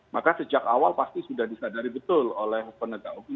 maka sejak awal pasti sudah disadari betul oleh penegak hukum